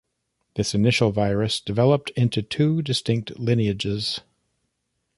This initial virus developed into two distinct lineages.